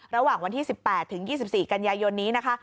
ระหว่างวันที่๑๘ถึง๒๔กันยายนนี้นะคะ